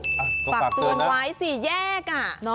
ปรับเตือนไว้สิแยกอ่ะ